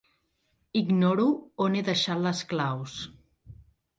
Ignoro on he deixat les claus.